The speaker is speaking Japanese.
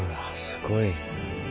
すごい。